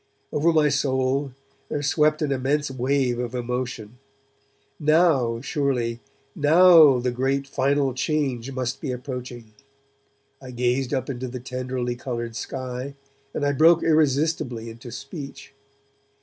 Over my soul there swept an immense wave of emotion. Now, surely, now the great final change must be approaching. I gazed up into the tenderly coloured sky, and I broke irresistibly into speech.